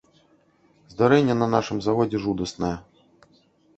Здарэнне на нашым заводзе жудаснае.